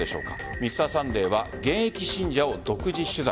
「Ｍｒ．サンデー」は現役信者を独自取材。